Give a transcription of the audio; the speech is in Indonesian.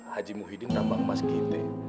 haji muhyiddin tambang emas kita